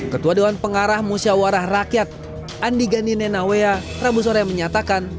ketua dewan pengarah musyawarah rakyat andi gani nenawea rabu sore menyatakan